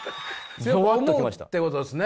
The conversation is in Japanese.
強く思うってことですね。